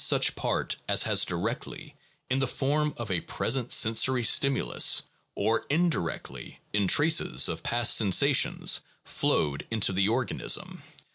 such part as has directly, in the form of a present sensory stimulus, or indirectly, in traces of past sensations, flowed into the organism.